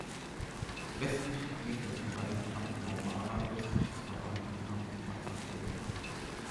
Westlich liegt das Verwaltungsamt Maubara, östlich das Verwaltungsamt Bazartete.